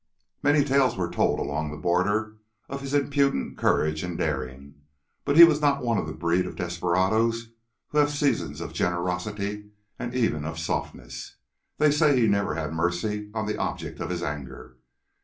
Many tales are told along the border of his impudent courage and daring. But he was not one of the breed of desperadoes who have seasons of generosity and even of softness. They say he never had mercy on the object of his anger.